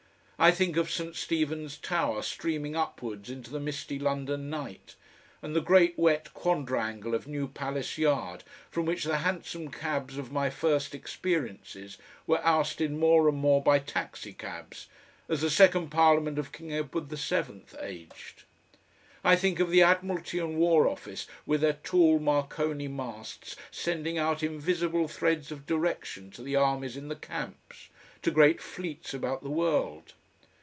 I think of St. Stephen's tower streaming upwards into the misty London night and the great wet quadrangle of New Palace Yard, from which the hansom cabs of my first experiences were ousted more and more by taxicabs as the second Parliament of King Edward the Seventh aged; I think of the Admiralty and War office with their tall Marconi masts sending out invisible threads of direction to the armies in the camps, to great fleets about the world.